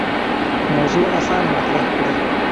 موضوع اسانه مطرح کړي.